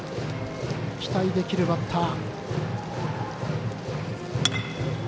期待できるバッター。